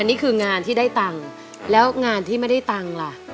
นี่คืองานที่ได้ตังค์แล้วงานที่ไม่ได้ตังค์ล่ะ